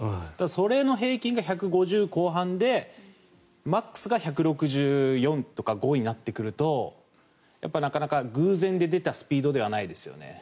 それの平均が１５０ｋｍ後半でマックスが１６４ｋｍとか１６５ｋｍになってくるとなかなか偶然で出たスピードではないですよね。